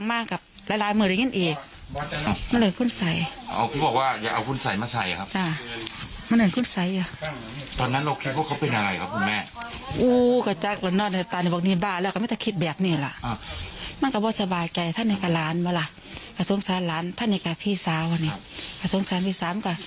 ปะสงสารหลานเฮฏภัณกาก่อพี่สาวนี่แหละสงสารพี่สามก็